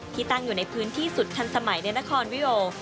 ที่ตั้งอยู่ในพื้นที่สุดทันสมัยในนครวิโอ